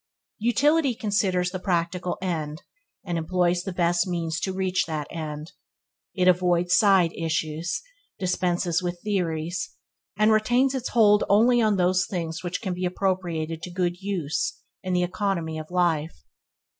Utility considers the practical end; and employs the best means to reach that end. It avoids side issues, dispenses with theories, and retains its hold only on those things which can appropriated to good uses in the economy of life.